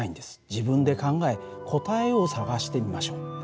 自分で考え答えを探してみましょう。